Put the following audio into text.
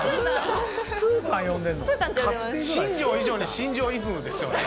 新庄以上に新庄イズムですよね。